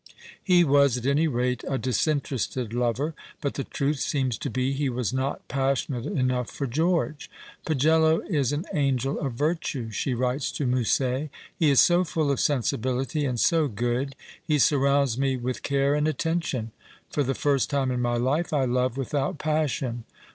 He was, at any rate, a disinterested lover ; but tlie truth seems to be he was not })assionate enough for George. " Pagello is an angel of virtue," she writes to Musset, " he is so full of sensibility and so good ... he surrounds me with care and atten tion. ... For the first time in my life I love without passion.